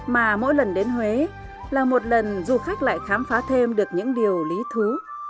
mà mỗi lần đến huế là một lần du khách lại khám phá thêm được những điều lý thú